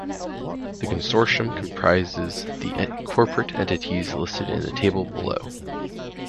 The consortium comprises the corporate entities listed in the table below.